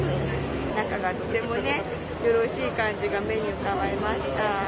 仲がとてもよろしい感じが目に伺えました。